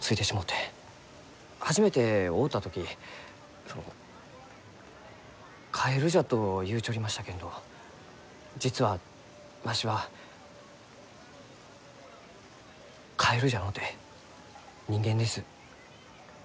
初めて会うた時その「カエルじゃ」と言うちょりましたけんど実はわしはカエルじゃのうて人間です。